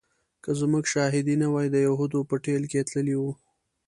که زموږ شاهدي نه وای د یهودي په ټېل کې تللی و.